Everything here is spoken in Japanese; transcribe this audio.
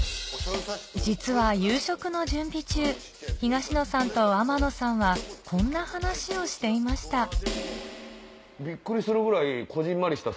実は夕食の準備中東野さんと天野さんはこんな話をしていました